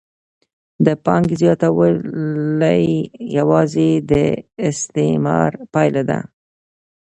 د پانګې زیاتوالی یوازې د استثمار پایله ده